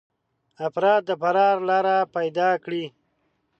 افراد فرار لاره پيدا کړي.